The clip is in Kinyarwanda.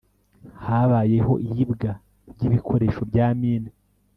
habayeho iyibwa ry’ibikoresho bya mine